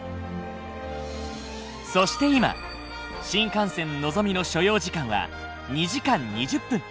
そして今新幹線のぞみの所要時間は２時間２０分。